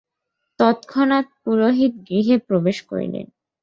তৎক্ষণাৎ পুরোহিত গৃহে প্রবেশ করিলেন।